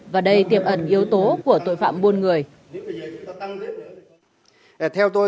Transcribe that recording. và đây tiềm ẩn yếu tố của tội phạm buôn người